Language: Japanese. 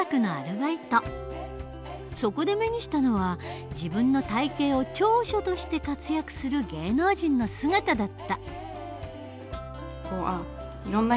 そこで目にしたのは自分の体型を長所として活躍する芸能人の姿だった。